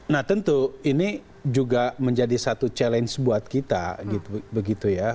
nah tentu ini juga menjadi satu challenge buat kita gitu ya